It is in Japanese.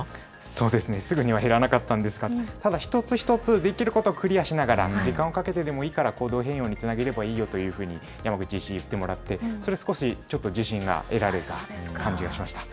そうですね、すぐには減らなかったんですが、ただ一つ一つできることをクリアしながら、時間をかけてでもいいから行動変容につなげればいいよというふうに、山口医師に言ってもらって、少し自信が得られた感じがしました。